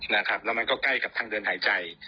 แล้วมันก็ใกล้กับทางเดินหายใจ